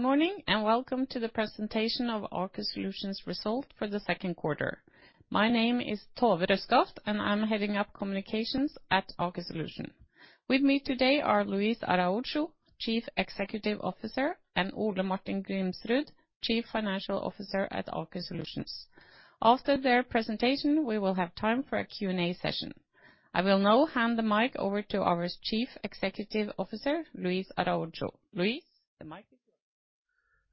Good morning, welcome to the presentation of Aker Solutions result for the Q2. My name is Tove Røskaft, I'm heading up communications at Aker Solutions. With me today are Luis Araujo, Chief Executive Officer, and Ole Martin Grimsrud, Chief Financial Officer at Aker Solutions. After their presentation, we will have time for a Q&A session. I will now hand the mic over to our Chief Executive Officer, Luis Araujo. Luis, the mic is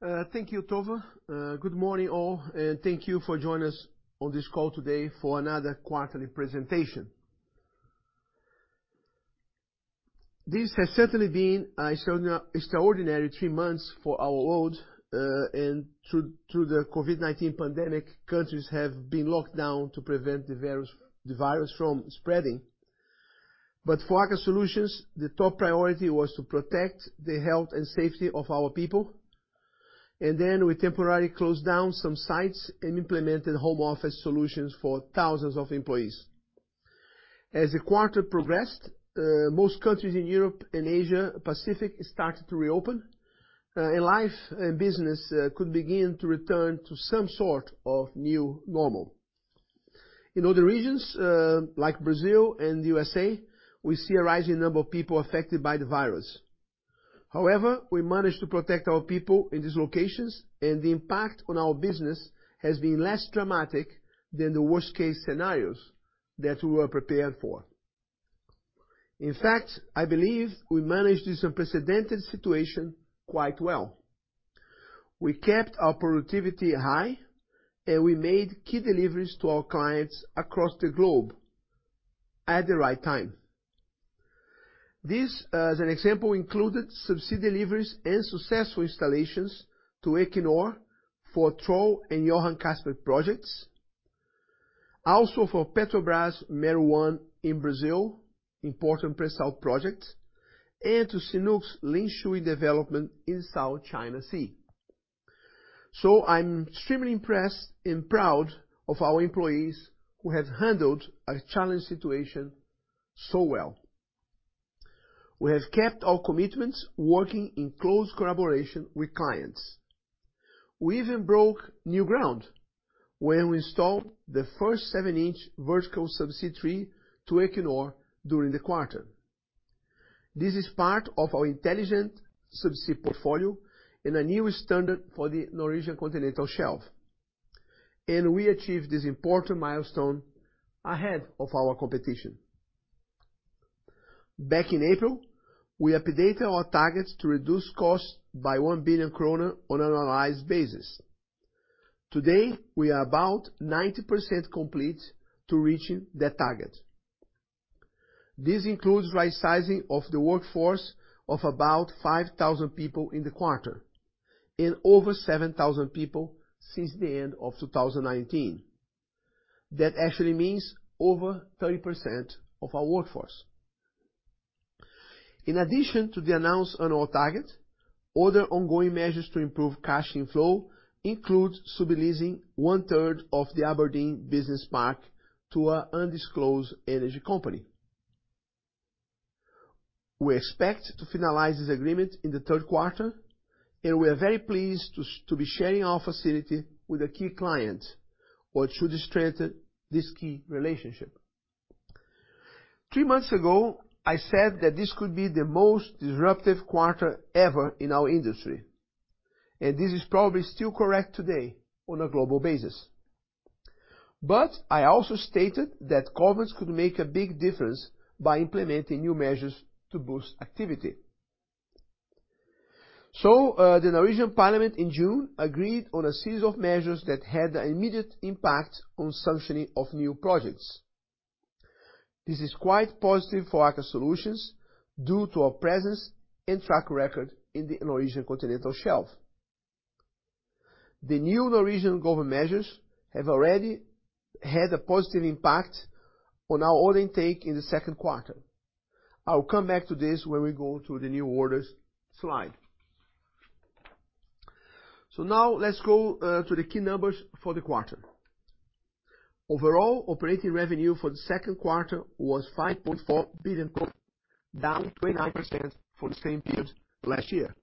yours. Thank you, Tove. Good morning, all, and thank you for joining us on this call today for another quarterly presentation. This has certainly been an extraordinary three months for our world, and through the COVID-19 pandemic, countries have been locked down to prevent the virus from spreading. For Aker Solutions, the top priority was to protect the health and safety of our people, then we temporarily closed down some sites and implemented home office solutions for thousands of employees. As the quarter progressed, most countries in Europe and Asia Pacific started to reopen, and life and business could begin to return to some sort of new normal. In other regions, like Brazil and USA, we see a rising number of people affected by the virus. We managed to protect our people in these locations, and the impact on our business has been less dramatic than the worst-case scenarios that we were prepared for. In fact, I believe we managed this unprecedented situation quite well. We kept our productivity high, and we made key deliveries to our clients across the globe at the right time. This, as an example, included subsea deliveries and successful installations to Equinor for Troll and Johan Castberg projects. For Petrobras' Mero-1 in Brazil, important pre-salt project, and to CNOOC's Lingshui development in South China Sea. I'm extremely impressed and proud of our employees who have handled a challenging situation so well. We have kept our commitments working in close collaboration with clients. We even broke new ground when we installed the first seven inch vertical subsea tree to Equinor during the quarter. This is part of our intelligent subsea portfolio and a new standard for the Norwegian Continental Shelf. We achieved this important milestone ahead of our competition. Back in April, we updated our targets to reduce costs by 1 billion kroner on an annualized basis. Today, we are about 90% complete to reaching that target. This includes rightsizing of the workforce of about 5,000 people in the quarter and over 7,000 people since the end of 2019. That actually means over 30% of our workforce. In addition to the announced annual target, other ongoing measures to improve cash inflow include subleasing 1/3 of the Aberdeen business park to an undisclosed energy company. We expect to finalize this agreement in the Q3. We are very pleased to be sharing our facility with a key client, which should strengthen this key relationship. Three months ago, I said that this could be the most disruptive quarter ever in our industry, and this is probably still correct today on a global basis. I also stated that governments could make a big difference by implementing new measures to boost activity. The Norwegian parliament in June agreed on a series of measures that had an immediate impact on suctioning of new projects. This is quite positive for Aker Solutions due to our presence and track record in the Norwegian Continental Shelf. The new Norwegian government measures have already had a positive impact on our order intake in the Q2. I will come back to this when we go through the new orders slide. Now let's go to the key numbers for the quarter. Overall operating revenue for the Q2 was 5.4 billion, down 29% for the same period last year.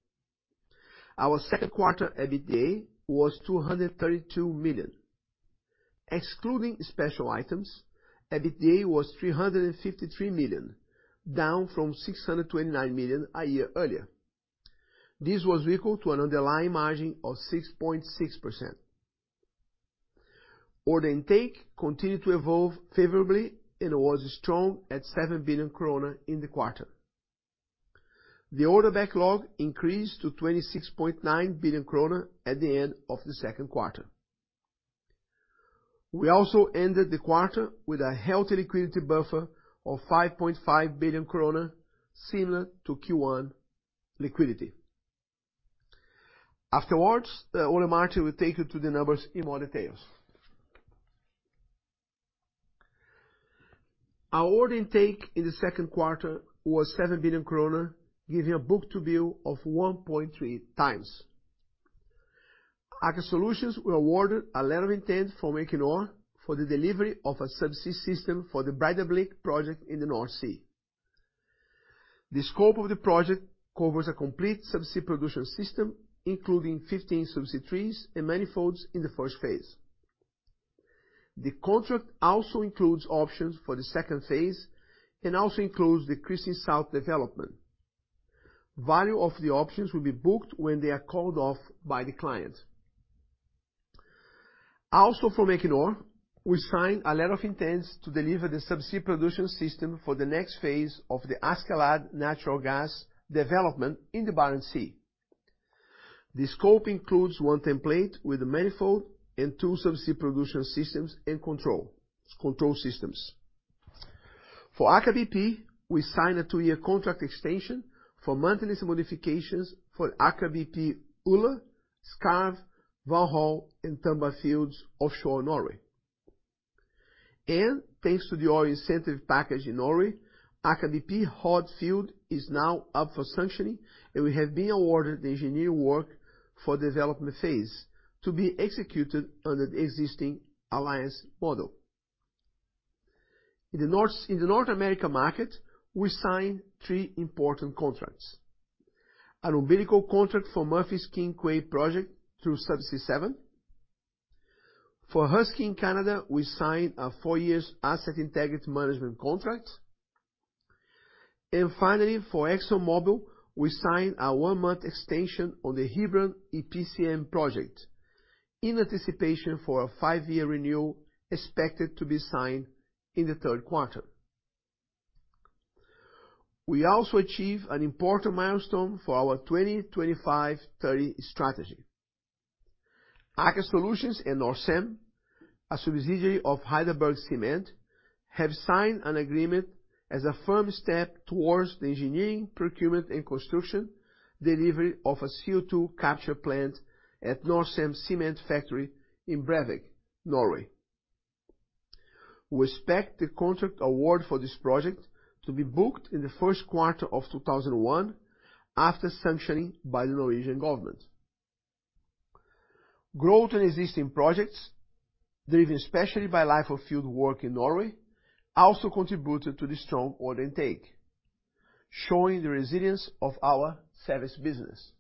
Our Q2 EBITDA was 232 million. Excluding special items, EBITDA was 353 million, down from 629 million a year earlier. This was equal to an underlying margin of 6.6%. Order intake continued to evolve favorably and was strong at 7 billion kroner in the quarter. The order backlog increased to 26.9 billion kroner at the end of the Q2. We also ended the quarter with a healthy liquidity buffer of 5.5 billion krone similar to Q1 liquidity. Afterwards, Ole Martin will take you through the numbers in more details. Our order intake in the Q2 was 7 billion kroner, giving a book-to-bill of 1.3x. Aker Solutions were awarded a letter of intent from Equinor for the delivery of a subsea system for the Breidablikk project in the North Sea. The scope of the project covers a complete subsea production system, including 15 subsea trees and manifolds in the phase I. The contract also includes options for the second phase, and also includes the Kristin South development. Value of the options will be booked when they are called off by the client. Also from Equinor, we signed a letter of intent to deliver the subsea production system for the next phase of the Åsgard natural gas development in the Barents Sea. The scope includes one template with a manifold and two subsea production systems and control systems. For Aker BP, we signed a two year contract extension for maintenance modifications for Aker BP, Ula, Skarv, Valhall, and Tuna fields offshore Norway. Thanks to the oil incentive package in Norway, Aker BP Hod field is now up for sanctioning, and we have been awarded the engineering work for development phase to be executed under the existing alliance model. In the North America market, we signed three important contracts. An umbilical contract for Murphy's King's Quay project through Subsea 7. For Husky in Canada, we signed a four year asset integrity management contract. Finally, for ExxonMobil, we signed a one month extension on the Hebron EPCN project in anticipation for a five year renewal expected to be signed in the Q3. We also achieved an important milestone for our 2025 to 2030 strategy. Aker Solutions and Norcem, a subsidiary of HeidelbergCement, have signed an agreement as a firm step towards the engineering, procurement, and construction delivery of a CO2 capture plant at Norcem Cement factory in Brevik, Norway. We expect the contract award for this project to be booked in the Q1 of 2001 after sanctioning by the Norwegian government. Growth in existing projects, driven especially by life of field work in Norway, also contributed to the strong order intake, showing the resilience of our service business.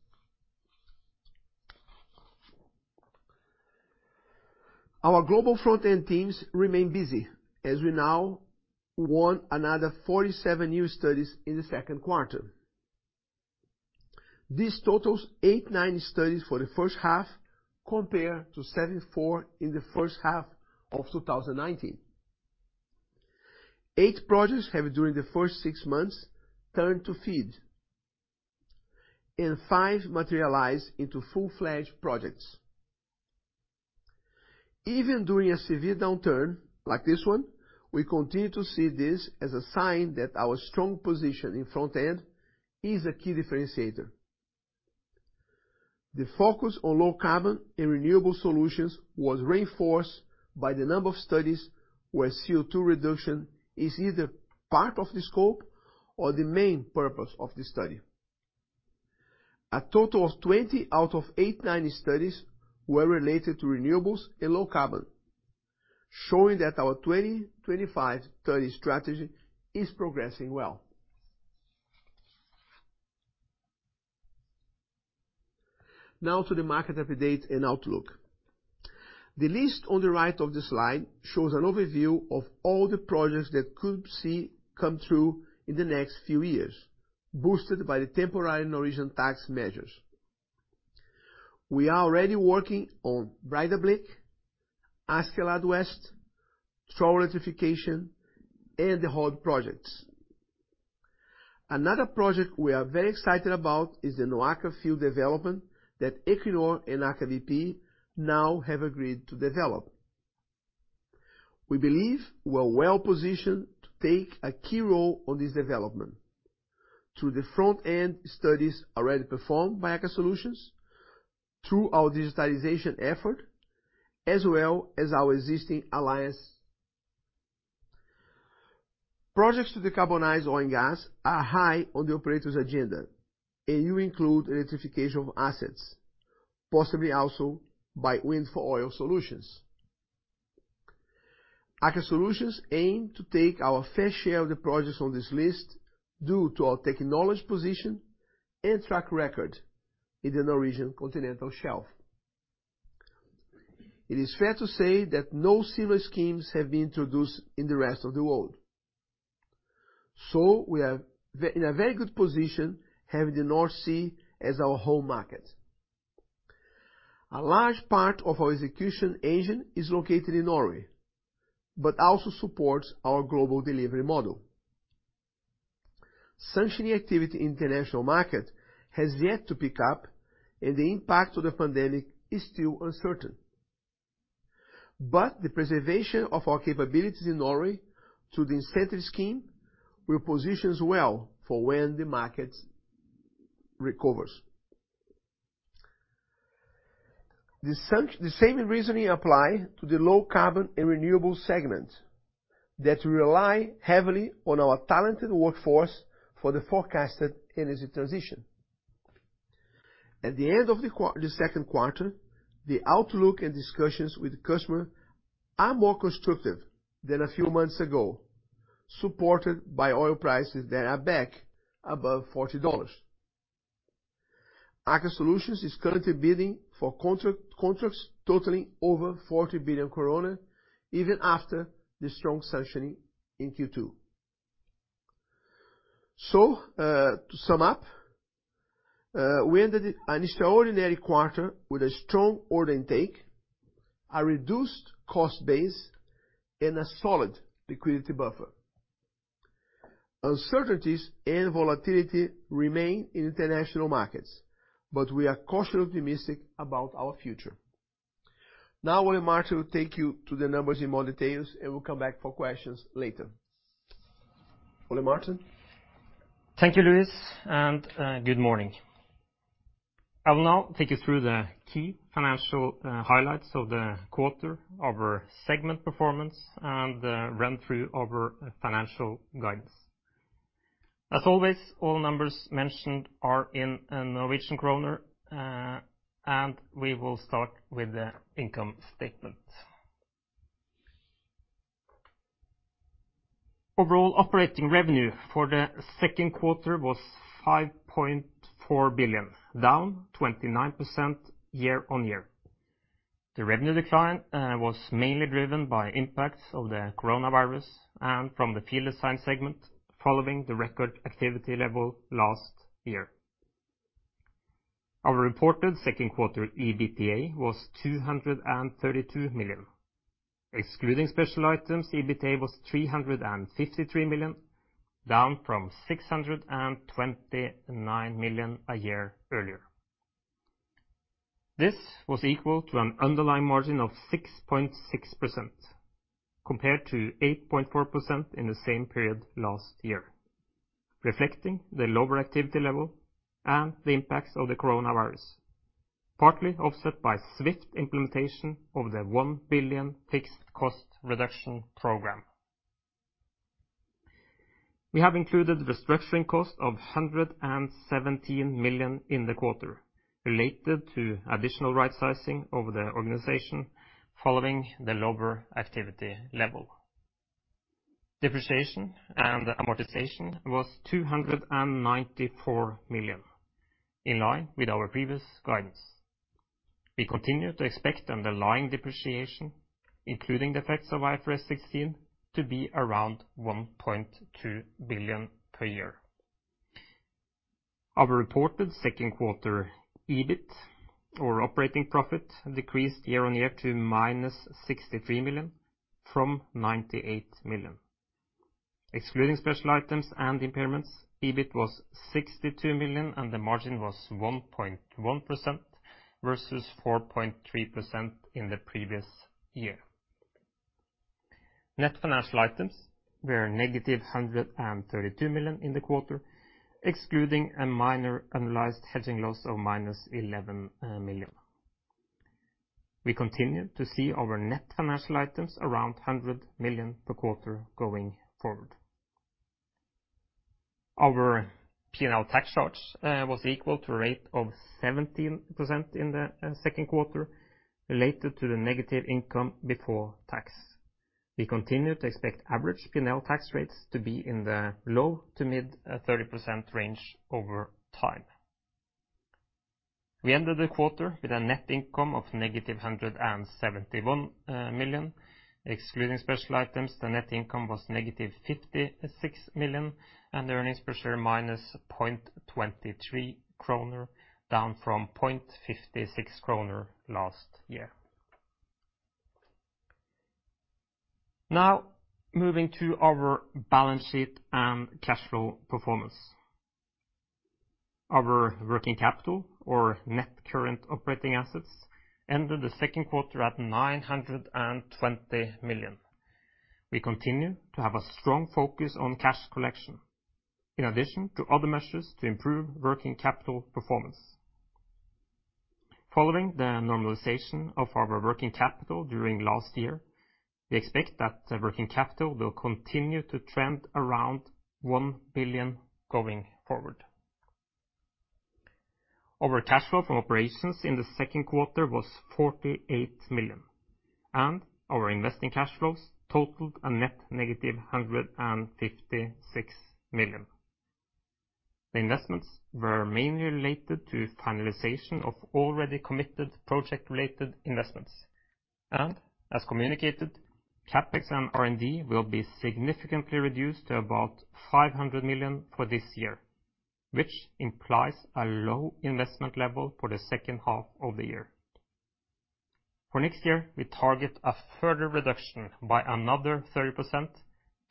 Our global front-end teams remain busy as we now won another 47 new studies in the Q2. This totals 89 studies for the first half, compared to 74 in the first half of 2019. Eight projects have, during the first six months, turned to FEED, and five materialized into full-fledged projects. Even during a severe downturn like this one, we continue to see this as a sign that our strong position in front-end is a key differentiator. The focus on low carbon and renewable solutions was reinforced by the number of studies where CO2 reduction is either part of the scope or the main purpose of the study. A total of 20 out of 89 studies were related to renewables and low carbon, showing that our 2025 to 2030 strategy is progressing well. Now to the market update and outlook. The list on the right of the slide shows an overview of all the projects that could see come through in the next few years, boosted by the temporary Norwegian tax measures. We are already working on Breidablikk, Åsgard West, Troll electrification, and the Hod projects. Another project we are very excited about is the NOAKA field development that Equinor and Aker BP now have agreed to develop. We believe we're well-positioned to take a key role on this development through the front-end studies already performed by Aker Solutions, through our digitalization effort, as well as our existing alliance. Projects to decarbonize oil and gas are high on the operators agenda, and will include electrification of assets, possibly also by Wind for oil solutions. Aker Solutions aim to take our fair share of the projects on this list due to our technology position and track record in the Norwegian continental shelf. It is fair to say that no similar schemes have been introduced in the rest of the world. We are in a very good position having the North Sea as our home market. A large part of our execution engine is located in Norway, but also supports our global delivery model. Sanctioning activity in the international market has yet to pick up, and the impact of the pandemic is still uncertain. The preservation of our capabilities in Norway through the incentive scheme will position us well for when the market recovers. The same reasoning apply to the low carbon and renewable segment. We rely heavily on our talented workforce for the forecasted energy transition. At the end of the Q2, the outlook and discussions with customer are more constructive than a few months ago, supported by oil prices that are back above NOK 40. Aker Solutions is currently bidding for contracts totaling over 40 billion even after the strong sanctioning in Q2. To sum up, we ended an extraordinary quarter with a strong order intake, a reduced cost base, and a solid liquidity buffer. Uncertainties and volatility remain in international markets. We are cautiously optimistic about our future. Ole Martin will take you through the numbers in more details. We'll come back for questions later. Ole Martin. Thank you, Luis, good morning. I will now take you through the key financial highlights of the quarter of our segment performance and run through our financial guidance. As always, all numbers mentioned are in a Norwegian kroner. We will start with the income statement. Overall operating revenue for the Q2 was 5.4 billion, down 29% year-on-year. The revenue decline was mainly driven by impacts of the coronavirus and from the Field Design segment following the record activity level last year. Our reported Q2 EBITDA was 232 million. Excluding special items, EBITDA was 353 million, down from 629 million a year earlier. This was equal to an underlying margin of 6.6% compared to 8.4% in the same period last year, reflecting the lower activity level and the impacts of the coronavirus, partly offset by swift implementation of the 1 billion fixed cost reduction program. We have included restructuring cost of 117 million in the quarter related to additional rightsizing of the organization following the lower activity level. Depreciation and amortization was 294 million, in line with our previous guidance. We continue to expect an underlying depreciation, including the effects of IFRS 16, to be around 1.2 billion per year. Our reported Q2 EBIT or operating profit decreased year-on-year to minus 63 million from 98 million. Excluding special items and impairments, EBIT was 62 million and the margin was 1.1% versus 4.3% in the previous year. Net financial items were -132 million in the quarter, excluding a minor annualized hedging loss of -11 million. We continue to see our net financial items around 100 million per quarter going forward. Our P&L tax charge was equal to a rate of 17% in the Q2 related to the negative income before tax. We continue to expect average P&L tax rates to be in the low to mid 30% range over time. We ended the quarter with a net income of -171 million. Excluding special items, the net income was negative 56 million and the earnings per share -0.23 kroner, down from 0.56 kroner last year. Moving to our balance sheet and cash flow performance. Our working capital or net current operating assets ended the Q2 at 920 million. We continue to have a strong focus on cash collection in addition to other measures to improve working capital performance. Following the normalization of our working capital during last year, we expect that the working capital will continue to trend around 1 billion going forward. Our cash flow from operations in the Q2 was 48 million, and our investing cash flows totaled a net negative 156 million. The investments were mainly related to finalization of already committed project-related investments. As communicated, CapEx and R&D will be significantly reduced to about 500 million for this year, which implies a low investment level for the second half of the year. For next year, we target a further reduction by another 30%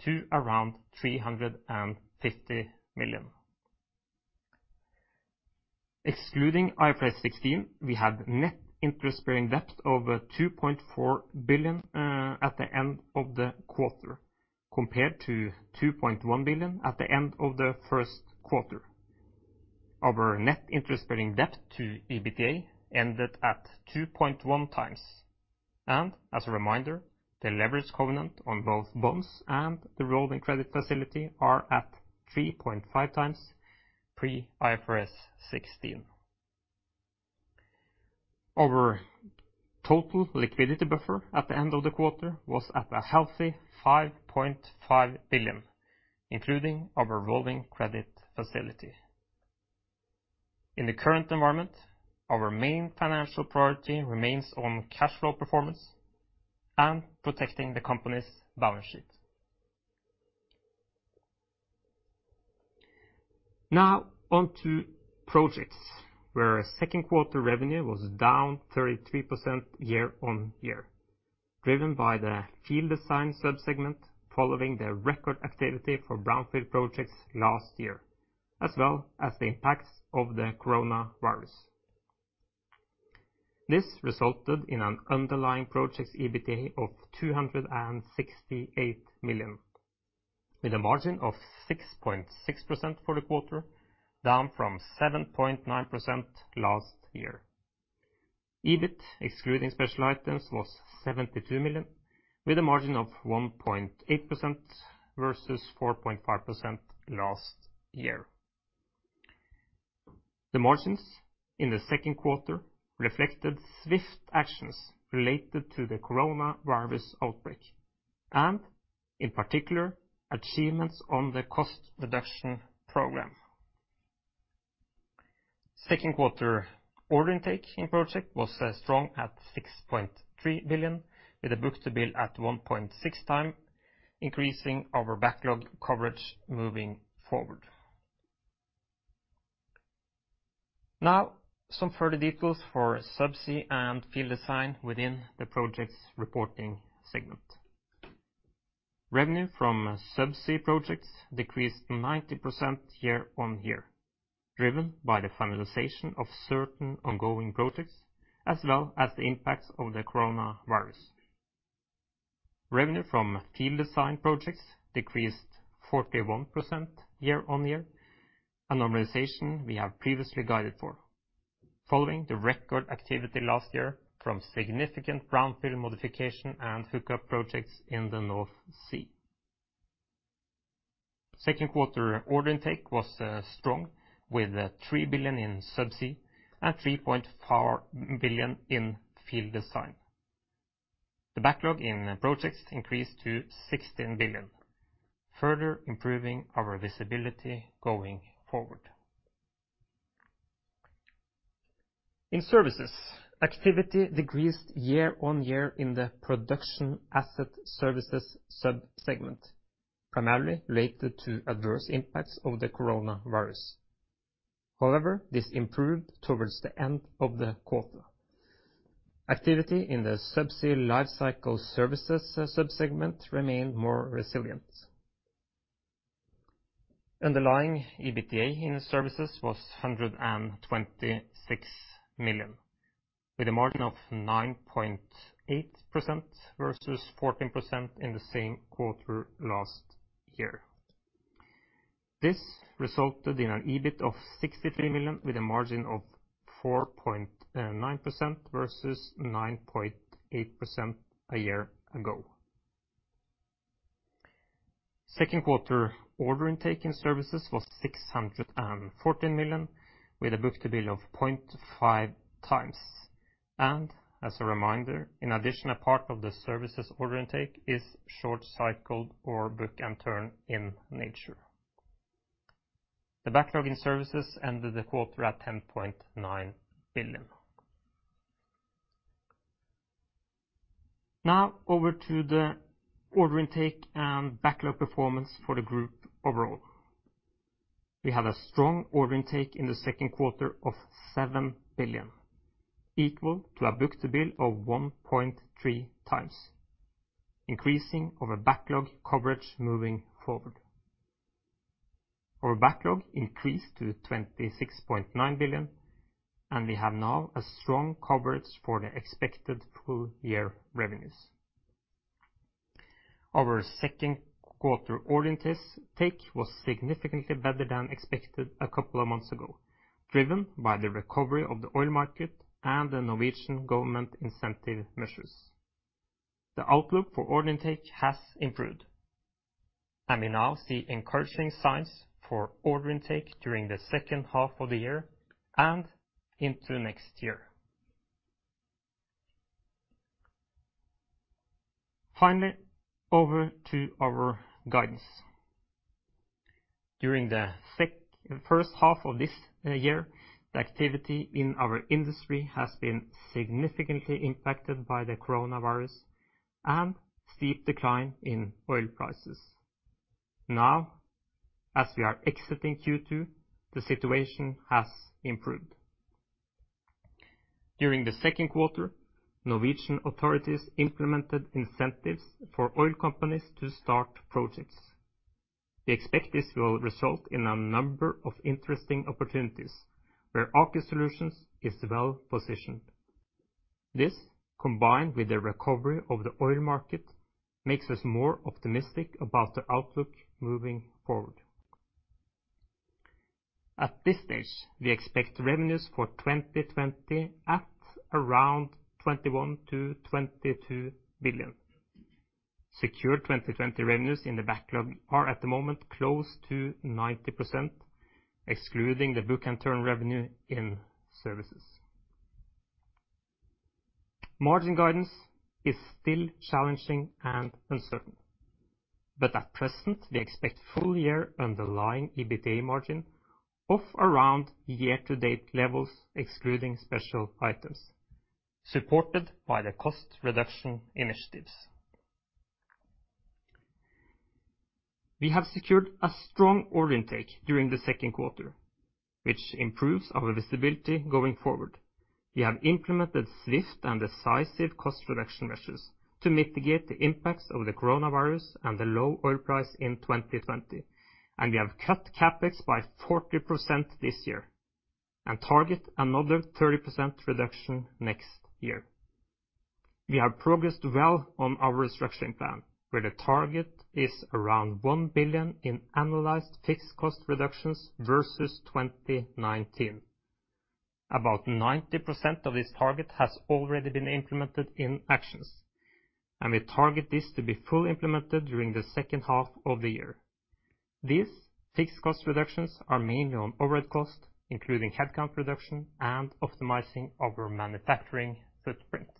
to around NOK 350 million. Excluding IFRS 16, we have net interest-bearing debt of 2.4 billion at the end of the quarter compared to 2.1 billion at the end of the Q1. our net interest-bearing debt to EBITDA ended at 2.1x. As a reminder, the leverage covenant on both bonds and the revolving credit facility are at 3.5 times pre-IFRS 16. Our total liquidity buffer at the end of the quarter was at a healthy 5.5 billion, including our revolving credit facility. In the current environment, our main financial priority remains on cash flow performance and protecting the company's balance sheet. On to projects, where Q2 revenue was down 33% year-on-year, driven by the field design sub-segment following the record activity for brownfield projects last year, as well as the impacts of the coronavirus. This resulted in an underlying projects EBITDA of 268 million, with a margin of 6.6% for the quarter, down from 7.9% last year. EBIT, excluding special items, was 72 million, with a margin of 1.8% versus 4.5% last year. The margins in the Q2 reflected swift actions related to the coronavirus outbreak and, in particular, achievements on the cost reduction program. Q2 order intake in project was strong at 6.3 billion, with a book-to-bill at 1.6x, increasing our backlog coverage moving forward. Some further details for subsea and field design within the projects reporting segment. Revenue from subsea projects decreased 90% year-on-year, driven by the finalization of certain ongoing projects as well as the impacts of the coronavirus. Revenue from field design projects decreased 41% year-on-year, a normalization we have previously guided for, following the record activity last year from significant brownfield modification and hookup projects in the North Sea. Q2 order intake was strong with 3 billion in subsea and 3.4 billion in field design. The backlog in projects increased to 16 billion, further improving our visibility going forward. In services, activity decreased year-on-year in the production asset services sub-segment, primarily related to adverse impacts of the coronavirus. However, this improved towards the end of the quarter. Activity in the subsea life cycle services sub-segment remained more resilient. Underlying EBITDA in services was 126 million, with a margin of 9.8% versus 14% in the same quarter last year. This resulted in an EBIT of 63 million, with a margin of 4.9% versus 9.8% a year ago. Q2 order intake in services was 614 million, with a book-to-bill of 0.5x. As a reminder, in addition, a part of the services order intake is short cycle or book-and-turn in nature. The backlog in services ended the quarter at 10.9 billion. Over to the order intake and backlog performance for the group overall. We have a strong order intake in the Q2 of 7 billion, equal to a book-to-bill of 1.3 times, increasing our backlog coverage moving forward. Our backlog increased to 26.9 billion, and we have now a strong coverage for the expected full year revenues. Our Q2 order intake was significantly better than expected a couple of months ago, driven by the recovery of the oil market and the Norwegian government incentive measures. The outlook for order intake has improved, and we now see encouraging signs for order intake during the second half of the year and into next year. Over to our guidance. During the first half of this year, the activity in our industry has been significantly impacted by the coronavirus and steep decline in oil prices. As we are exiting Q2, the situation has improved. During the Q2, Norwegian authorities implemented incentives for oil companies to start projects. We expect this will result in a number of interesting opportunities where Aker Solutions is well-positioned. Combined with the recovery of the oil market, makes us more optimistic about the outlook moving forward. At this stage, we expect revenues for 2020 at around 21 billion to 22 billion. Secure 2020 revenues in the backlog are at the moment close to 90%, excluding the book and turn revenue in services. Margin guidance is still challenging and uncertain, at present, we expect full year underlying EBITA margin of around year to date levels, excluding special items, supported by the cost reduction initiatives. We have secured a strong order intake during the Q2, which improves our visibility going forward. We have implemented swift and decisive cost reduction measures to mitigate the impacts of COVID-19 and the low oil price in 2020. We have cut CapEx by 40% this year and target another 30% reduction next year. We have progressed well on our restructuring plan, where the target is around 1 billion in analyzed fixed cost reductions versus 2019. About 90% of this target has already been implemented in actions. We target this to be fully implemented during the second half of the year. These fixed cost reductions are mainly on overhead costs, including headcount reduction and optimizing our manufacturing footprint.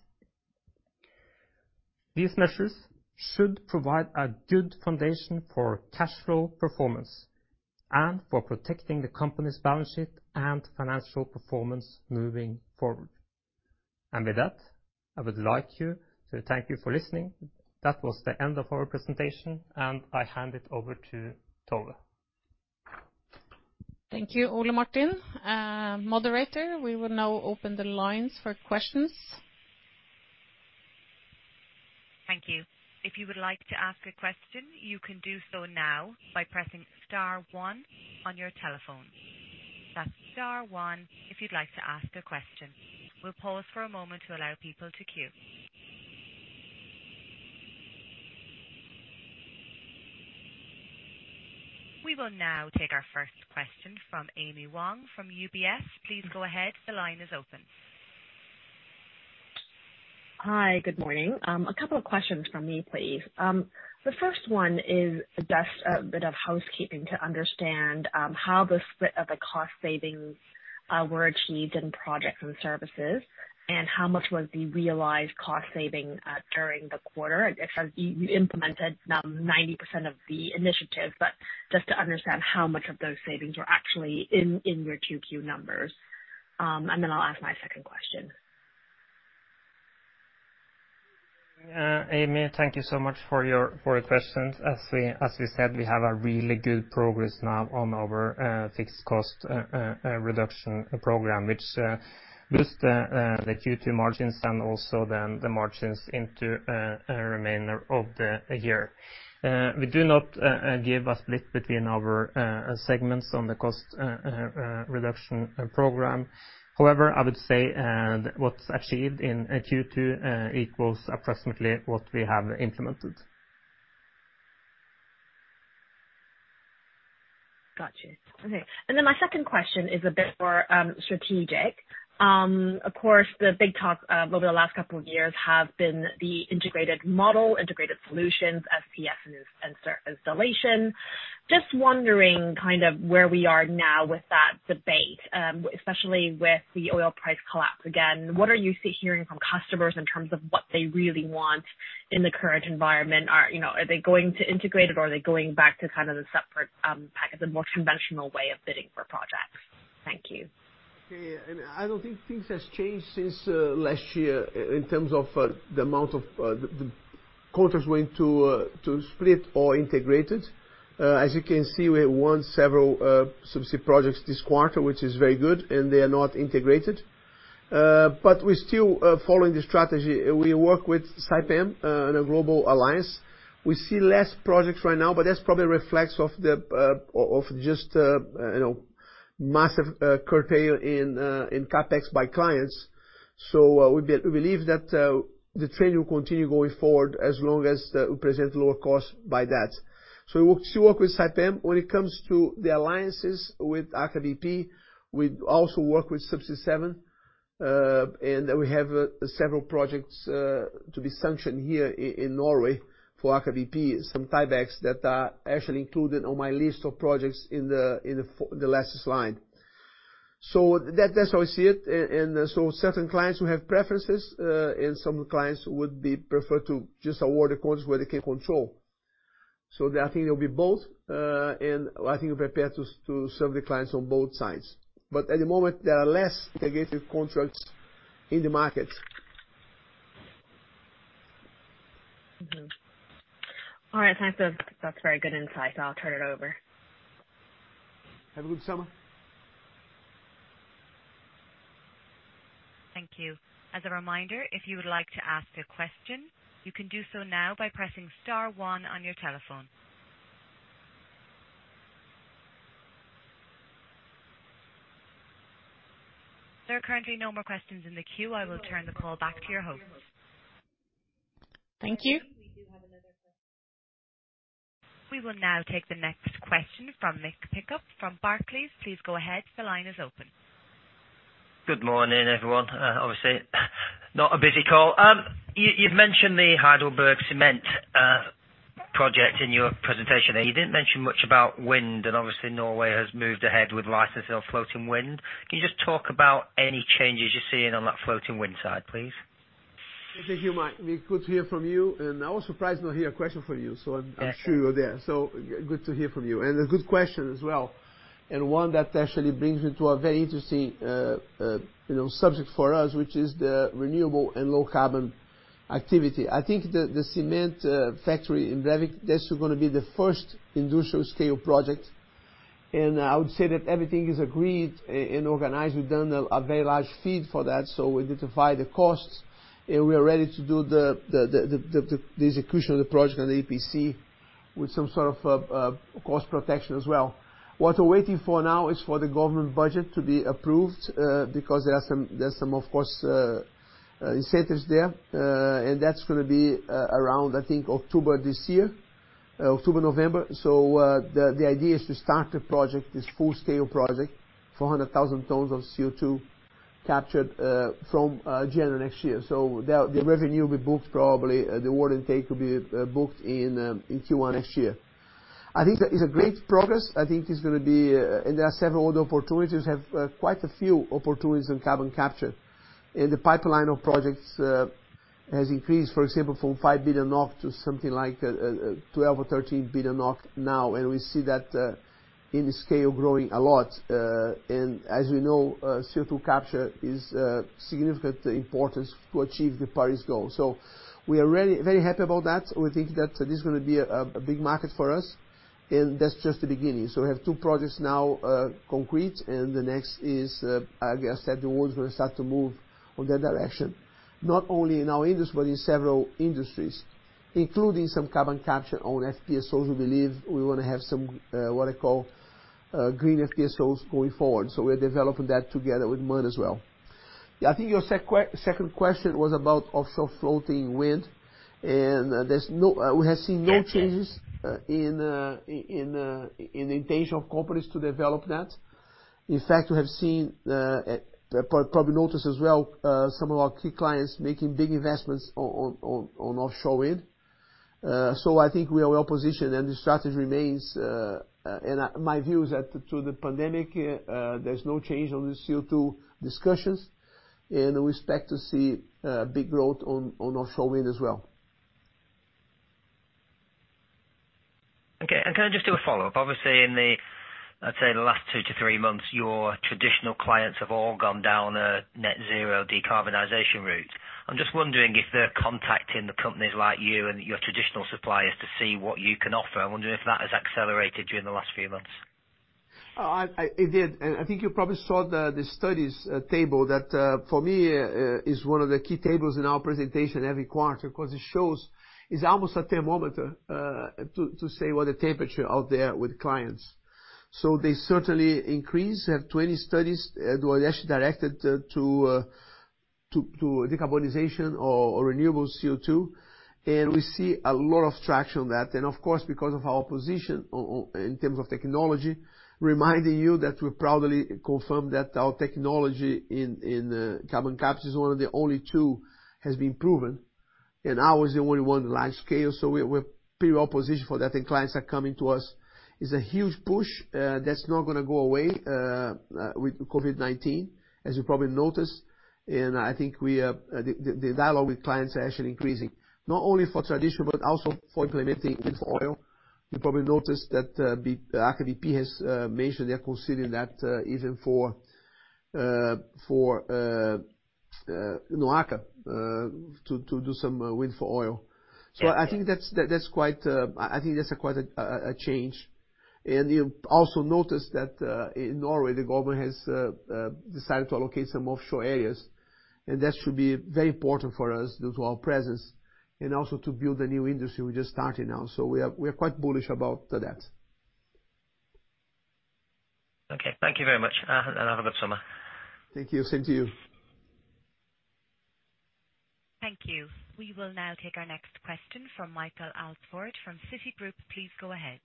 These measures should provide a good foundation for cash flow performance and for protecting the company's balance sheet and financial performance moving forward. With that, I would like you to thank you for listening. That was the end of our presentation, and I hand it over to Tove. Thank you, Ole Martin. Moderator, we will now open the lines for questions. Thank you. If you would like to ask a question, you can do so now by pressing star one on your telephone. That's star one if you'd like to ask a question. We'll pause for a moment to allow people to queue. We will now take our first question from Amy Wong from UBS. Please go ahead. The line is open. Hi. Good morning. A couple of questions from me, please. The first one is just a bit of housekeeping to understand how the split of the cost savings were achieved in projects and services, and how much was the realized cost saving during the quarter, if, as you implemented 90% of the initiative, but just to understand how much of those savings are actually in your numbers? I'll ask my second question. Amy, thank you so much for your questions. As we said, we have a really good progress now on our fixed cost reduction program, which boosts the Q2 margins and also then the margins into a remainder of the year. We do not give a split between our segments on the cost reduction program. I would say what's achieved in Q2 equals approximately what we have implemented. Got you. Okay. My second question is a bit more strategic. Of course, the big talk over the last couple of years have been the integrated model, integrated solutions, FPS and installation. Just wondering kind of where we are now with that debate, especially with the oil price collapse again. What are you hearing from customers in terms of what they really want in the current environment? Are, you know, are they going to integrate it, or are they going back to kind of the separate package, the more conventional way of bidding for projects? Thank you. Okay. I don't think things has changed since last year in terms of the amount of the quarters going to to split or integrated. As you can see, we won several subsea projects this quarter, which is very good, and they are not integrated. We're still following the strategy. We work with Saipem in a global alliance. We see less projects right now, but that's probably a reflex of the of just, you know, massive curtail in CapEx by clients. We, we believe that the trend will continue going forward as long as we present lower costs by that. We work, still work with Saipem. When it comes to the alliances with Aker BP, we also work with Subsea 7, and we have several projects to be sanctioned here in Norway for Aker BP, some Tiebacks that are actually included on my list of projects in the last slide. That's how I see it. Certain clients will have preferences, and some clients would be prefer to just award the contracts where they can control. I think it'll be both, and I think we're prepared to serve the clients on both sides. At the moment, there are less integrated contracts in the market. Mm-hmm. All right. Thanks. That's very good insight. I'll turn it over. Have a good summer. Thank you. As a reminder, if you would like to ask a question, you can do so now by pressing star one on your telephone. There are currently no more questions in the queue. I will turn the call back to your host. Thank you. We do have another question. We will now take the next question from Mick Pickup from Barclays. Please go ahead. The line is open. Good morning, everyone. Obviously not a busy call. You've mentioned the HeidelbergCement project in your presentation, and you didn't mention much about wind, and obviously Norway has moved ahead with licensing of floating wind. Can you just talk about any changes you're seeing on that floating wind side, please? Thank you, Mike. Be good to hear from you. I was surprised to not hear a question from you, so I'm sure you're there. Good to hear from you. A good question as well, and one that actually brings me to a very interesting, you know, subject for us, which is the renewable and low carbon activity. I think the cement factory in Brevik, that's gonna be the first industrial scale project. I would say that everything is agreed and organized. We've done a very large FEED for that, so we need to find the costs. We are ready to do the execution of the project on the EPC with some sort of cost protection as well. What we're waiting for now is for the government budget to be approved, because there are some, of course, incentives there. That's gonna be around, I think, October this year. October, November. The idea is to start the project, this full scale project, 400,000 tons of CO2 captured, from January next year. The revenue will be booked probably, the order intake will be booked in Q1 next year. I think that is a great progress. There are several other opportunities. Have quite a few opportunities in carbon capture. The pipeline of projects has increased, for example, from 5 billion NOK to something like 12 billion to 13 billion NOK now, and we see that in scale growing a lot. As we know, CO2 capture is a significant importance to achieve the Paris Agreement goal. We are really very happy about that. We think that this is gonna be a big market for us, and that's just the beginning. We have two projects now, concrete, and the next is, like I said, the world's gonna start to move on that direction, not only in our industry but in several industries, including some carbon capture on FPSOs. We believe we wanna have some, what I call, GreenFPSOs going forward, so we're developing that together with MODEC as well. I think your second question was about offshore floating wind, and there's no, we have seen no changes. Yes, yes. in intention of companies to develop that. We have seen probably noticed as well, some of our key clients making big investments on offshore wind. I think we are well positioned, and the strategy remains. My view is that through the pandemic, there's no change on the CO2 discussions. We expect to see big growth on offshore wind as well. Okay. Can I just do a follow up? Obviously in the, I'd say the last two to three months, your traditional clients have all gone down a net zero decarbonization route. I'm just wondering if they're contacting the companies like you and your traditional suppliers to see what you can offer. I'm wondering if that has accelerated during the last few months. It did. I think you probably saw the studies table that for me is one of the key tables in our presentation every quarter, 'cause it shows it's almost a thermometer to say what the temperature out there with clients. They certainly increase. We have 20 studies were actually directed to decarbonization or renewable CO2, we see a lot of traction on that. Of course, because of our position in terms of technology, reminding you that we proudly confirm that our technology in carbon capture is one of the only two has been proven, ours is the only one large scale. We're pretty well positioned for that, clients are coming to us. It's a huge push, that's not gonna go away with COVID-19, as you probably noticed. I think we are the dialogue with clients are actually increasing, not only for traditional but also for implementing Wind for oil. You probably noticed that Aker BP has mentioned they're considering that, even for, you know, Aker, to do some Wind for oil. Yeah. I think that's quite, I think that's a quite, a change. You also notice that, in Norway, the government has decided to allocate some offshore areas, and that should be very important for us due to our presence and also to build a new industry we're just starting now. We are quite bullish about that. Okay. Thank you very much. Have a good summer. Thank you. Same to you. Thank you. We will now take our next question from Michael Alsford from Citigroup. Please go ahead.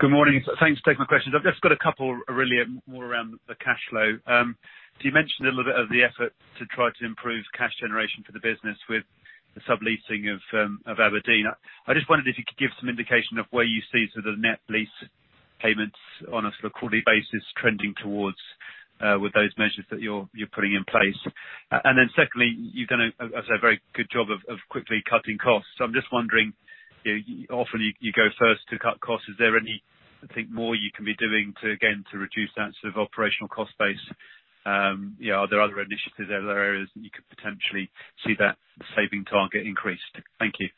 Good morning. Thanks to take my questions. I've just got a couple really more around the cash flow. You mentioned a little bit of the effort to try to improve cash generation for the business with the subleasing of Aberdeen. I just wondered if you could give some indication of where you see sort of the net lease payments on a sort of quarterly basis trending towards with those measures that you're putting in place. Secondly, you've done as I say, a very good job of quickly cutting costs. I'm just wondering, you know, often you go first to cut costs. Is there anything more you can be doing to, again, to reduce that sort of operational cost base? You know, are there other initiatives, are there areas that you could potentially see that saving target increased? Thank you.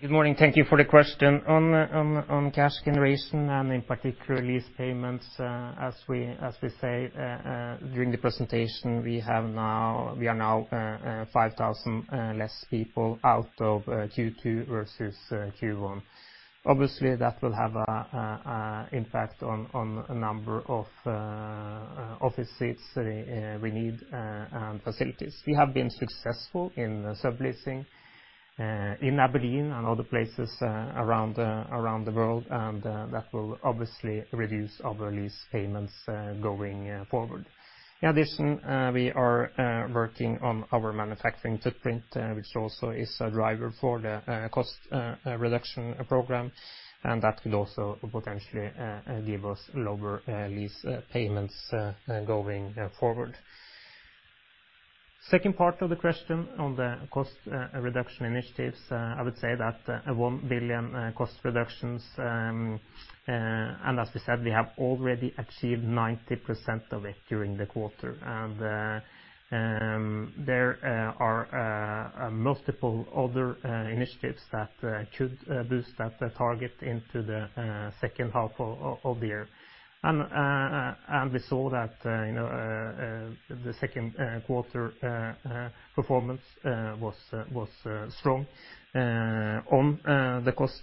Good morning. Thank you for the question. On cash generation and in particular lease payments, as we say during the presentation, we are now 5,000 less people out of Q2 versus Q1. Obviously, that will have an impact on a number of office seats that we need and facilities. We have been successful in subleasing in Aberdeen and other places around the world, and that will obviously reduce our lease payments going forward. In addition, we are working on our manufacturing footprint, which also is a driver for the cost reduction program, and that could also potentially give us lower lease payments going forward. Second part of the question on the cost re-reduction initiatives, I would say that a 1 billion cost reductions, as we said, we have already achieved 90% of it during the quarter. There are multiple other initiatives that could boost that target into the second half of the year. We saw that, you know, the Q2 performance was strong on the cost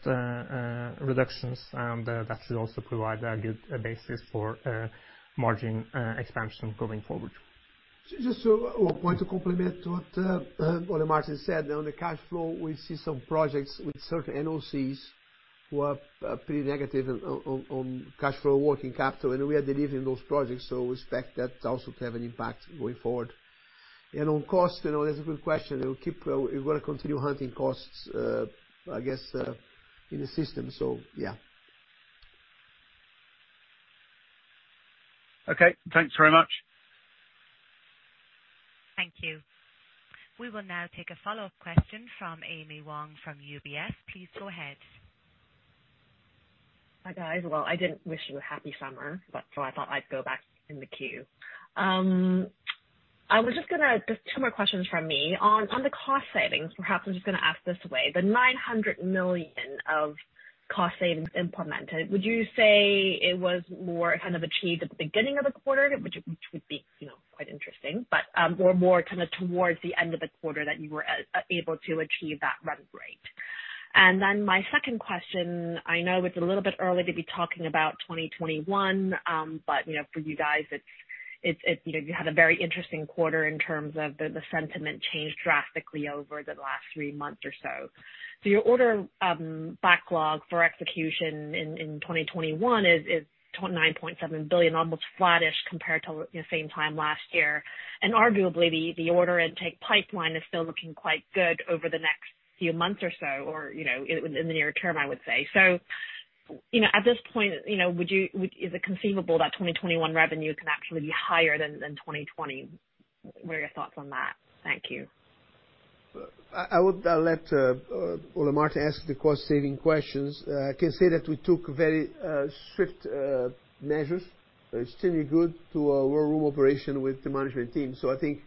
reductions, and that will also provide a good basis for margin expansion going forward. Just to want to complement what Ole Martin said. On the cash flow, we see some projects with certain NOCs who are pretty negative on cash flow working capital, and we are delivering those projects, so we expect that also to have an impact going forward. On cost, you know, that's a good question. We'll keep, we're gonna continue hunting costs, I guess, in the system. Yeah. Okay, thanks very much. Thank you. We will now take a follow-up question from Amy Wong from UBS. Please go ahead. Hi, guys. Well, I didn't wish you a happy summer, but so I thought I'd go back in the queue. I had just two more questions from me. On the cost savings, perhaps I'm just gonna ask this way, the 900 million of cost savings implemented, would you say it was more kind of achieved at the beginning of the quarter, which would be, you know, quite interesting, but or more kind of towards the end of the quarter that you were able to achieve that run rate? My second question, I know it's a little bit early to be talking about 2021, but, you know, for you guys it's, you know, you had a very interesting quarter in terms of the sentiment changed drastically over the last three months or so. Your order backlog for execution in 2021 is 29.7 billion, almost flattish compared to you know, same time last year. Arguably, the order intake pipeline is still looking quite good over the next few months or so, or, you know, in the near term, I would say. You know, at this point, you know, would you, is it conceivable that 2021 revenue can actually be higher than 2020? What are your thoughts on that? Thank you. I would, I'll let Ole Martin answer the cost-saving questions. Can say that we took very strict measures, extremely good, to work through operation with the management team. I think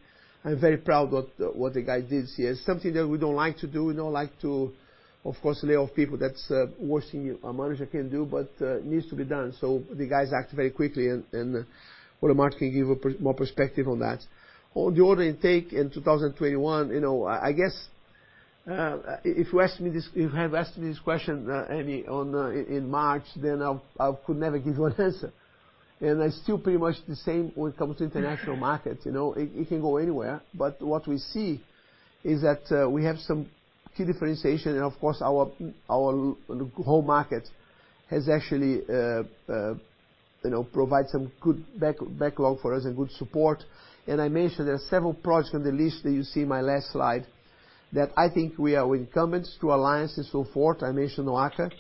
I'm very proud what the guys did here. It's something that we don't like to do. We don't like to, of course, lay off people. That's worst thing a manager can do, but needs to be done. The guys act very quickly and Ole Martin can give a more perspective on that. On the order intake in 2021, you know, I guess, if you asked me this, if you had asked me this question, Amy, on in March, then I could never give you an answer. It's still pretty much the same when it comes to international markets. You know, it can go anywhere, but what we see is that we have some key differentiation and of course our whole market has actually, you know, provide some good backlog for us and good support. I mentioned there are several projects on the list that you see in my last slide that I think we are incumbent through alliances, so forth. I mentioned NOAKA,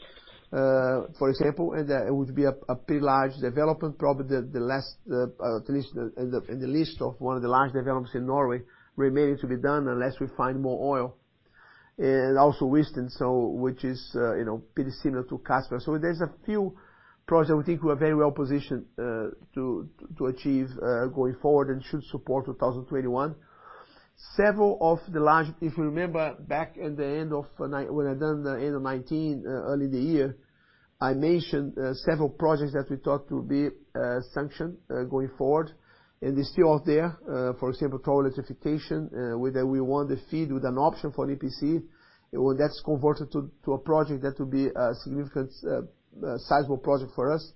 for example, and it would be a pretty large development, probably the last, at least in the list of one of the large developments in Norway remaining to be done unless we find more oil. Also Houston, so which is, you know, pretty similar to Casper. There's a few projects I think we are very well positioned to achieve going forward and should support 2021. If you remember back in the end of 2019, early the year, I mentioned several projects that we thought to be sanctioned going forward. They're still out there. For example, total electrification, whether we want the FEED with an option for an EPC. When that's converted to a project, that will be a significant, sizeable project for us.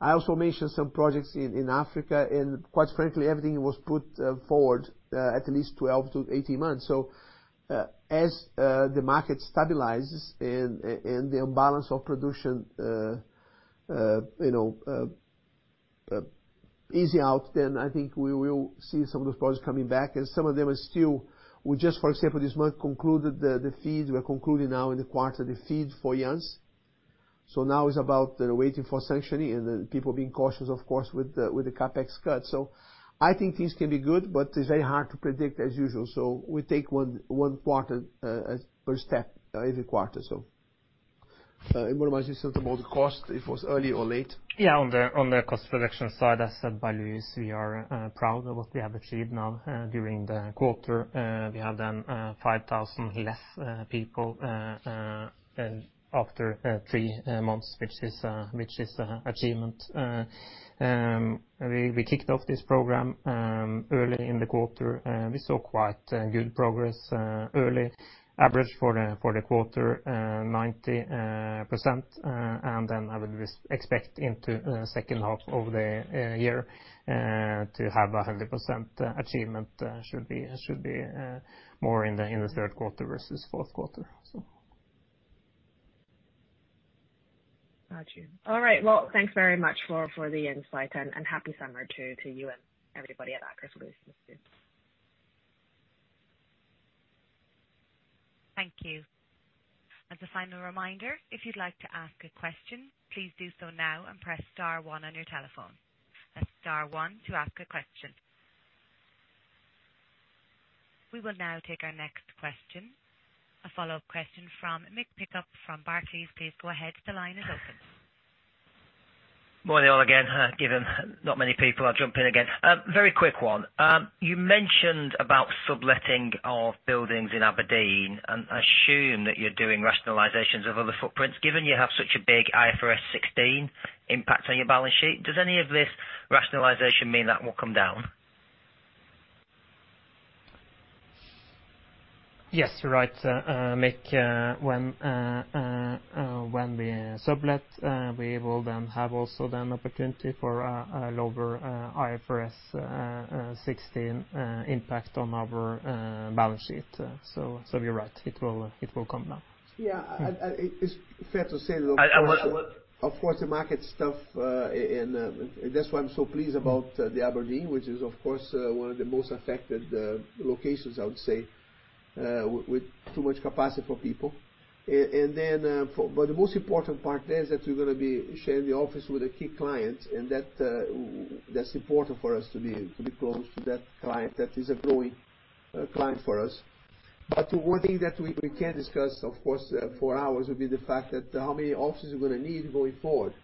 I also mentioned some projects in Africa. Quite frankly, everything was put forward, at least 12 to 18 months. So, as, the market stabilizes and, and the imbalance of production, you know, easy out, then I think we will see some of those projects coming back, and some of them are still., We just, for example, this month, concluded the, the feeds. We are concluding now in the quarter the feed for Jansz-io. So now it's about waiting for sanctioning and then people being cautious, of course, with the, with the CapEx cuts. So I think things can be good, but it's very hard to predict as usual. So we take one, one quarter, per step every quarter, so. and what might you said about the cost, if it was early or late? Yeah. On the cost reduction side, as said by Luis, we are proud of what we have achieved now during the quarter. We have then 5,000 less people after three months, which is a achievement. We kicked off this program early in the quarter, and we saw quite good progress early. Average for the quarter, 90%. I would re-expect into second half of the year to have a 100% achievement, should be more in the Q3 versus Q4. Got you. All right. Thanks very much for the insight, and happy summer to you and everybody at Aker Solutions. Thank you. As a final reminder, if you'd like to ask a question, please do so now and press star one on your telephone. That's star one to ask a question. We will now take our next question, a follow-up question from Mick Pickup from Barclays. Please go ahead. The line is open. Morning, all, again. Given not many people, I'll jump in again. Very quick one. You mentioned about subletting of buildings in Aberdeen, and I assume that you're doing rationalizations of other footprints. Given you have such a big IFRS 16 impact on your balance sheet, does any of this rationalization mean that will come down? Yes, you're right, Mick. When we sublet, we will then have also then opportunity for a lower IFRS 16 impact on our balance sheet. You're right. It will come down. Yeah. It's fair to say that, of course. Of course, the market stuff, and that's why I'm so pleased about the Aberdeen, which is, of course, one of the most affected locations, I would say, with too much capacity for people. The most important part there is that we're gonna be sharing the office with a key client, and that's important for us to be close to that client. That is a growing client for us. One thing that we can discuss, of course, for hours would be the fact that how many offices we're gonna need going forward.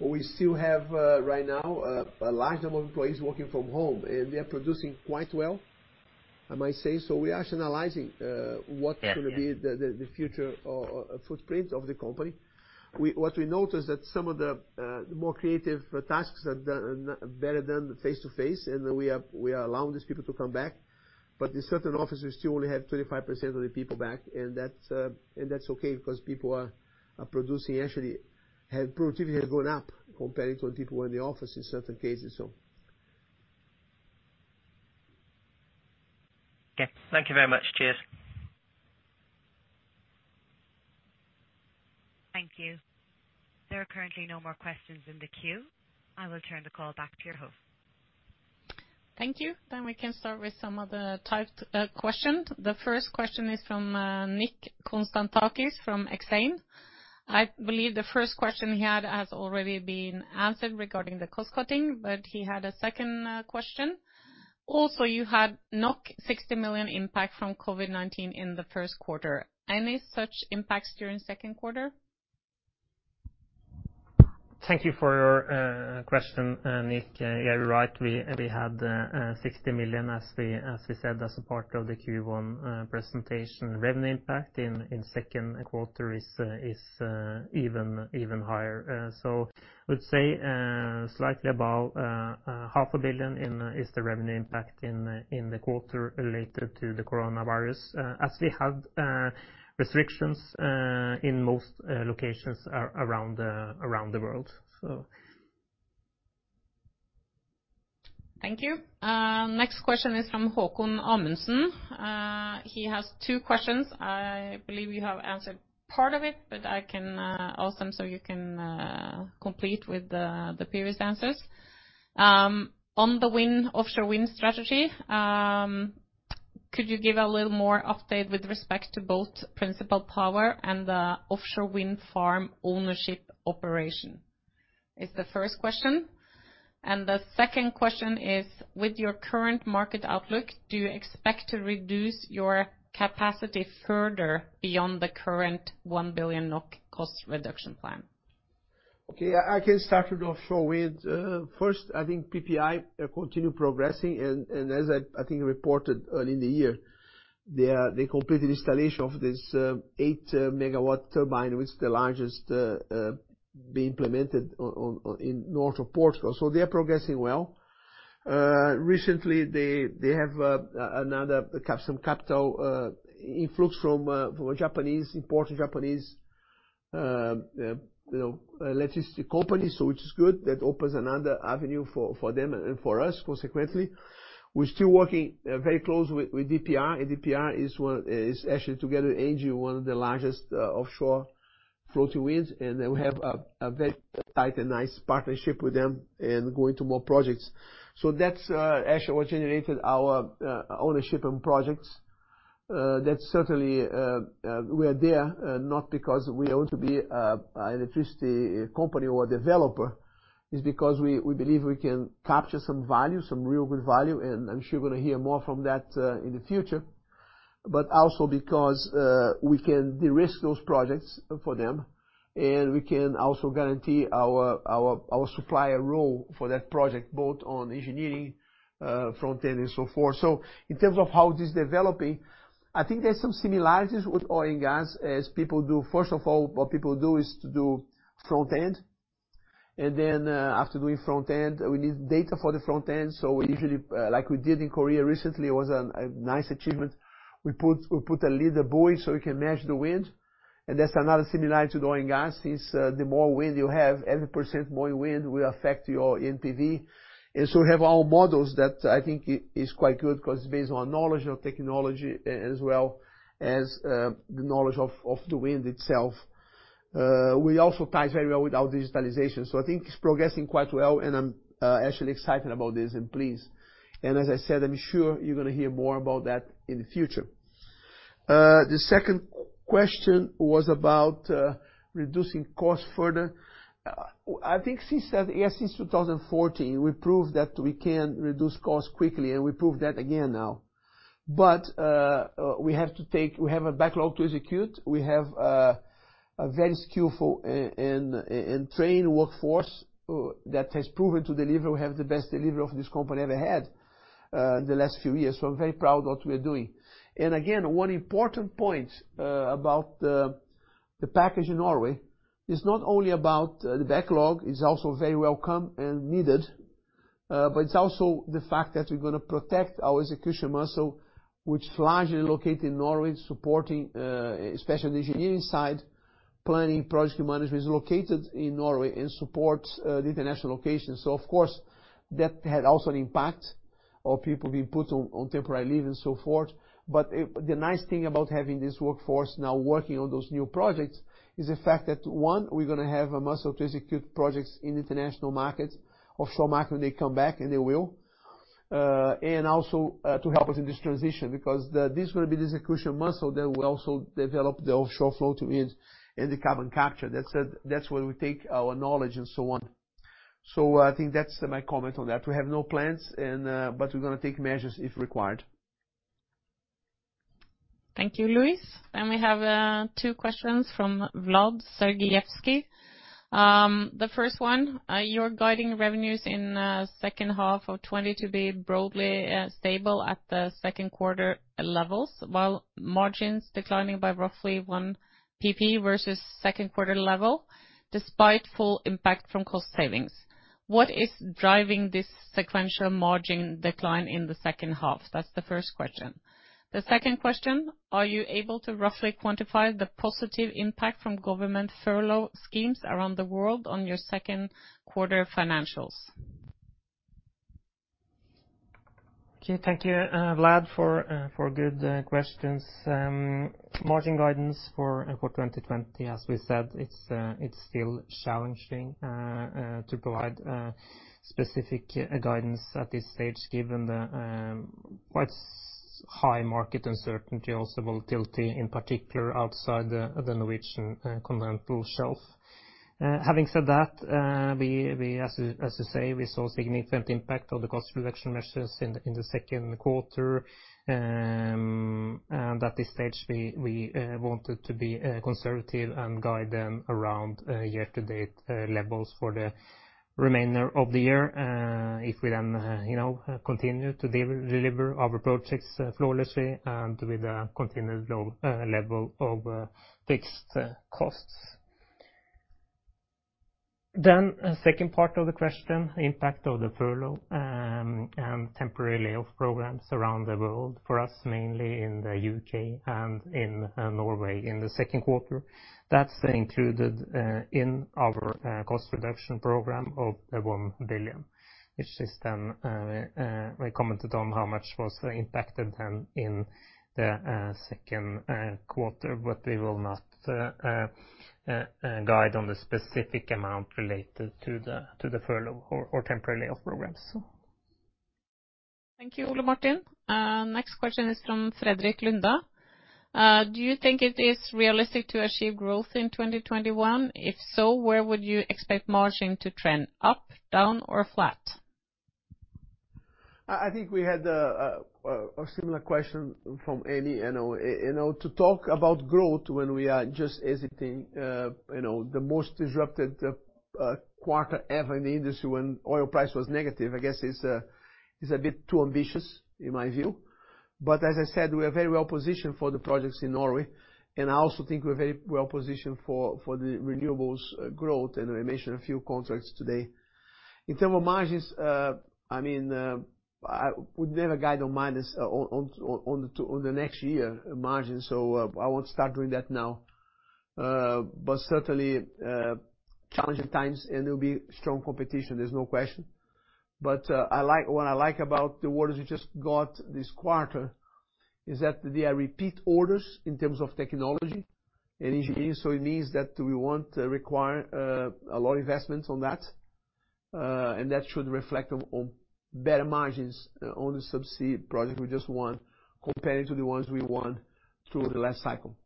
We still have right now a large number of employees working from home, and they are producing quite well, I might say. We are rationalizing. Yeah. Yeah. What's gonna be the future of footprint of the company. We, what we noticed that some of the more creative tasks are better done face-to-face, and we are allowing these people to come back. In certain offices, we still only have 25% of the people back, and that's and that's okay because people are producing. Actually, have productivity has gone up comparing to when people were in the office in certain cases, so. Okay. Thank you very much. Cheers. Thank you. There are currently no more questions in the queue. I will turn the call back to you, Host. Thank you. We can start with some of the typed questions. The first question is from Nick Konstantakis from Exane. I believe the first question he had has already been answered regarding the cost-cutting, but he had a second question. You had 60 million impact from COVID-19 in the Q1. Any such impacts during Q2? Thank you for your question, Nick. Yeah, you're right. We had 60 million, as we said, as a part of the Q1 presentation. Revenue impact in Q2 is even higher. I would say slightly above half a billion is the revenue impact in the quarter related to the coronavirus, as we had restrictions in most locations around the world, so. Thank you. Uh next question is from Haakon Amundsen. He has two questions. I believe you have answered part of it but I can also so you can complete with the the previous answers. On the win strategy could you give a little more update with respect to both principle power and the farm ownership operation? It's the first question and the second question is with your current market outlook do you expect to reduce your capacity further beyond the current 1 billion NOK cost reduction plan? Okay. I can start with offshore wind. First, I think PPI continue progressing. As I think, reported early in the year, they completed installation of this 8 MW turbine, which is the largest being implemented in north of Portugal. They are progressing well. Recently, they have another some capital influx from a Japanese, important Japanese, you know, electricity company. Which is good. That opens another avenue for them and for us consequently. We're still working very closely with EDPR, and EDPR is actually together, Engie, one of the largest offshore floating winds. Then we have a very tight and nice partnership with them and going to more projects. That's actually what generated our ownership and projects. That's certainly we are there, not because we want to be a electricity company or a developer. Is because we believe we can capture some value, some real good value, and I'm sure you're gonna hear more from that in the future. Also because we can de-risk those projects for them, and we can also guarantee our supplier role for that project, both on engineering, front-end and so forth. In terms of how it is developing, I think there's some similarities with oil and gas as people do. First of all, what people do is to do front end. After doing front end, we need data for the front end, usually, like we did in Korea recently, it was a nice achievement. We put a laser buoy so we can measure the wind, that's another similarity to oil and gas is the more wind you have, every percent more wind will affect your NPV. We have our models that I think is quite good 'cause based on knowledge of technology as well as the knowledge of the wind itself. We also ties very well with our digitalization. I think it's progressing quite well, and I'm actually excited about this and pleased. I'm sure you're gonna hear more about that in the future. The second question was about reducing costs further. I think since that, since 2014, we proved that we can reduce costs quickly, and we proved that again now. We have a backlog to execute. We have a very skillful and trained workforce that has proven to deliver. We have the best delivery of this company ever had the last few years, so I'm very proud of what we're doing. Again, one important point about the package in Norway is not only about the backlog. It's also very welcome and needed, but it's also the fact that we're gonna protect our execution muscle, which largely located in Norway, supporting especially on the engineering side. Planning, project management is located in Norway and supports the international locations. Of course, that had also an impact of people being put on temporary leave and so forth. The nice thing about having this workforce now working on those new projects is the fact that, one, we're gonna have a muscle to execute projects in international markets, offshore market when they come back, and they will. Also, to help us in this transition because this will be the execution muscle that will also develop the offshore float wind and the carbon capture. That's where we take our knowledge and so on. I think that's my comment on that. We have no plans and, we're gonna take measures if required. Thank you, Luis. We have two questions from Vlad Sergievskii. The first one, you're guiding revenues in second half of 2020 to be broadly stable at the Q2 levels, while margins declining by roughly 1 percentage point versus Q2 level despite full impact from cost savings. What is driving this sequential margin decline in the second half? That's the first question. The second question, are you able to roughly quantify the positive impact from government furlough schemes around the world on your Q2 financials? Okay, thank you, Vlad, for good questions. Margin guidance for 2020, as we said, it's still challenging to provide specific guidance at this stage given the quite high market uncertainty, also volatility in particular outside the Norwegian continental shelf. Having said that, we, as you say, we saw significant impact of the cost reduction measures in the Q2. At this stage, we wanted to be conservative and guide them around year-to-date levels for the remainder of the year. If we, you know, continue to deliver our projects flawlessly and with a continued low level of fixed costs. Second part of the question, impact of the furlough, and temporary layoff programs around the world, for us, mainly in the UK and in Norway in the Q2. That's included in our cost reduction program of the 1 billion, which is then we commented on how much was impacted then in the Q2. We will not guide on the specific amount related to the furlough or temporary layoff programs. Thank you, Ole Martin. Next question is from Fredrik Lunde. Do you think it is realistic to achieve growth in 2021? If so, where would you expect margin to trend? Up, down, or flat? I think we had a similar question from Amy. You know, to talk about growth when we are just exiting, you know, the most disrupted quarter ever in the industry when oil price was negative, I guess, is a bit too ambitious in my view. As I said, we are very well positioned for the projects in Norway, and I also think we're very well positioned for the renewables growth, and I mentioned a few contracts today. In terms of margins, I mean, I would never guide on the next year margins, so, I won't start doing that now. Certainly, challenging times and there'll be strong competition, there's no question. I like, what I like about the orders we just got this quarter is that they are repeat orders in terms of technology and engineering, so it means that we won't require a lot of investments on that. That should reflect on better margins on the subsea project we just won comparing to the ones we won through the last cycle.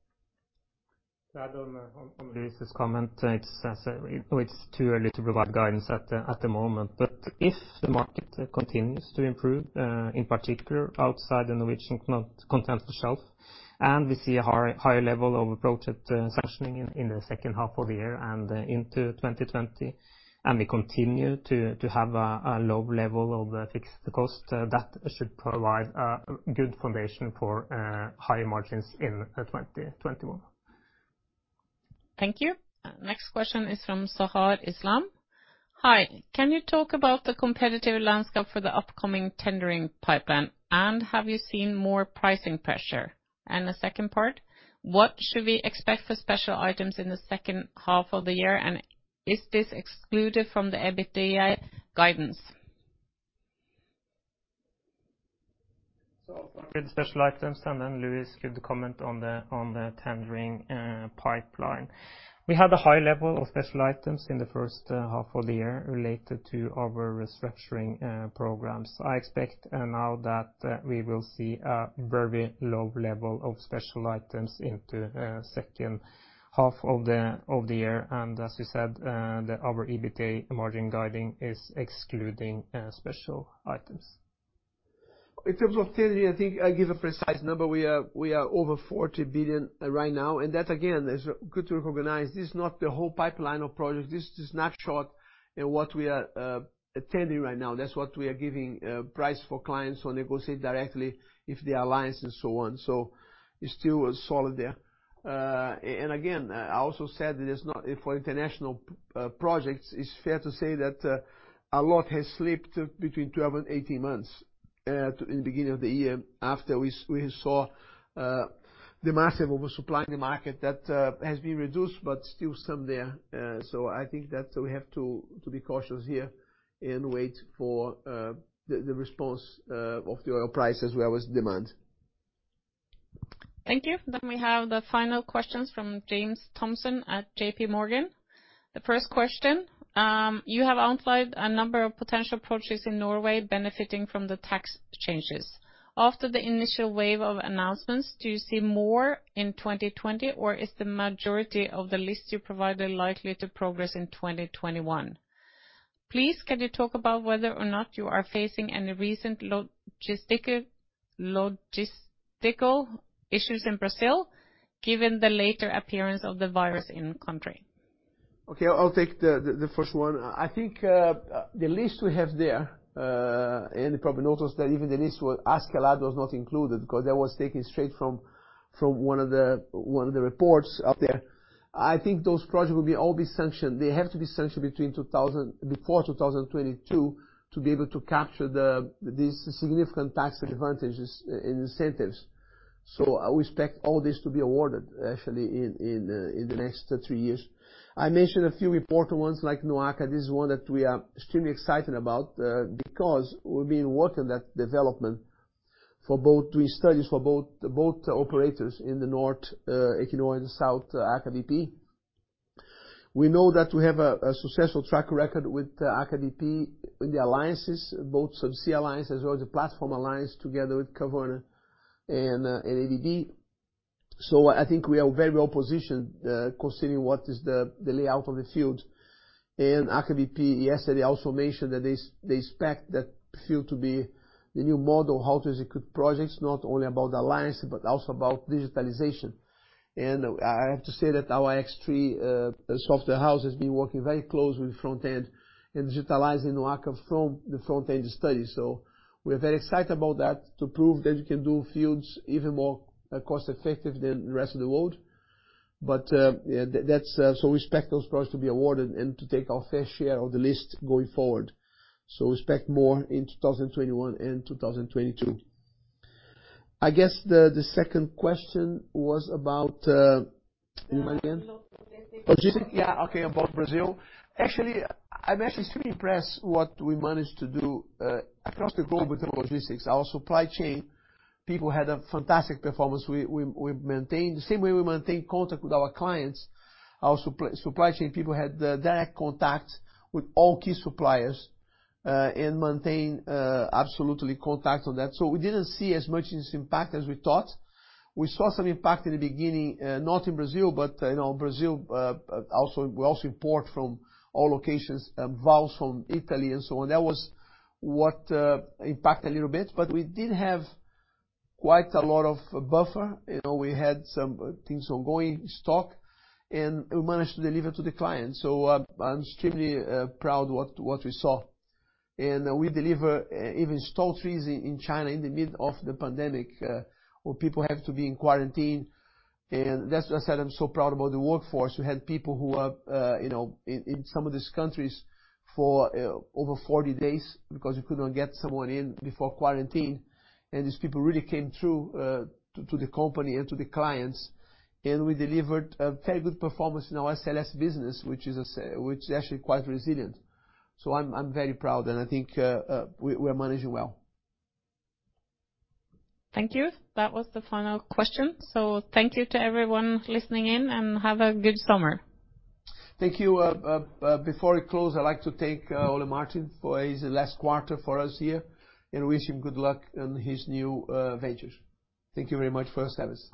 I don't know, on Luis's comment, it's too early to provide guidance at the moment. If the market continues to improve, in particular outside the Norwegian Continental Shelf, and we see a higher level of approached sanctioning in the second half of the year and into 2020, and we continue to have a low level of fixed cost, that should provide a good foundation for higher margins in 2021. Thank you. Next question is from Sahar Islam. Hi, can you talk about the competitive landscape for the upcoming tendering pipeline? Have you seen more pricing pressure? The second part, what should we expect for special items in the second half of the year, and is this excluded from the EBITDA guidance? I'll start with the special items, and then Luis give the comment on the tendering pipeline. We had a high level of special items in the first half of the year related to our restructuring programs. I expect now that we will see a very low level of special items into second half of the year. As you said, that our EBITA margin guiding is excluding special items. In terms of tendering, I think I give a precise number. We are over 40 billion right now, and that again is good to recognize this is not the whole pipeline of projects. This is a snapshot in what we are attending right now. That's what we are giving price for clients or negotiate directly if they alliance and so on. So it's still solid there. Again, I also said that it's not for international projects, it's fair to say that a lot has slipped between 12 and 18 months to in the beginning of the year, after we saw the massive oversupply in the market that has been reduced, but still some there. I think that we have to be cautious here and wait for the response of the oil price as well as demand. Thank you. We have the final questions from James Thompson at JPMorgan. The first question, you have outlined a number of potential approaches in Norway benefiting from the tax changes. After the initial wave of announcements, do you see more in 2020, or is the majority of the list you provided likely to progress in 2021? Please, can you talk about whether or not you are facing any recent logistical issues in Brazil, given the later appearance of the virus in country? Okay, I'll take the first one. I think the list we have there, and you probably notice that even the list with Askeladd was not included because that was taken straight from one of the reports out there. I think those projects will be all be sanctioned. They have to be sanctioned between 2000, before 2022, to be able to capture these significant tax advantages in incentives. I would expect all this to be awarded actually in the next three years. I mentioned a few important ones like NOAKA. This is one that we are extremely excited about, because we've been working that development for both, doing studies for both operators in the north, Equinor and south Aker BP. We know that we have a successful track record with Aker BP in the alliances, both subsea alliance as well as the platform alliance together with Kværner and Aker BP. I think we are very well positioned, considering what is the layout of the field. Aker BP yesterday also mentioned that they expect that field to be the new model, how to execute projects, not only about alliance, but also about digitalization. I have to say that our ix3 software house has been working very closely with front end and digitalizing NOAKA from the front end study. We're very excited about that to prove that we can do fields even more cost effective than the rest of the world. Yeah, that's, so we expect those products to be awarded and to take our fair share of the list going forward. We expect more in 2021 and 2022. I guess the second question was about, remind again? Logistics. Okay, about Brazil. Actually, I'm actually extremely impressed what we managed to do across the globe with the logistics. Our supply chain people had a fantastic performance. We maintained, the same way we maintained contact with our clients, our supply chain people had the direct contact with all key suppliers, and maintain absolutely contact on that. We didn't see as much impact as we thought. We saw some impact in the beginning, not in Brazil, but you know, Brazil, also, we also import from all locations, valves from Italy and so on. That was what impact a little bit, we did have quite a lot of buffer. You know, we had some things ongoing stock, we managed to deliver to the clients. I'm extremely proud what we saw. We deliver even subsea trees in China in the middle of the pandemic, where people have to be in quarantine. That's why I said I'm so proud about the workforce. We had people who are, you know, in some of these countries for over 40 days because you could not get someone in before quarantine. These people really came through to the company and to the clients. We delivered a very good performance in our SLS business, which is actually quite resilient. I'm very proud, and I think we are managing well. Thank you. That was the final question. Thank you to everyone listening in and have a good summer. Thank you. Before we close, I'd like to thank Ole Martin for his last quarter for us here and wish him good luck on his new ventures. Thank you very much for his service.